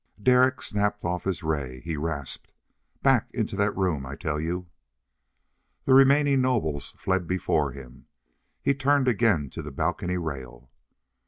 Derek snapped off his ray. He rasped, "Back into that room, I tell you!" The remaining nobles fled before him. He turned again to the balcony rail.